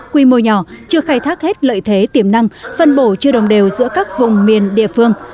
quy mô nhỏ chưa khai thác hết lợi thế tiềm năng phân bổ chưa đồng đều giữa các vùng miền địa phương